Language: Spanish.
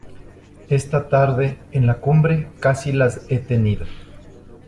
Esta tarde, en la cumbre, casi las he tenido.